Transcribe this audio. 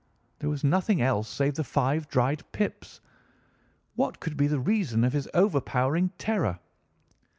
There was nothing else save the five dried pips. What could be the reason of his overpowering terror?